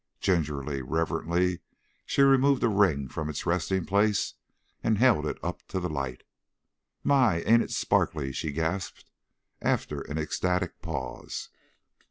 Gingerly, reverently she removed a ring from its resting place and held it up to the light. "My! Ain't it sparkly?" she gasped, after an ecstatic pause.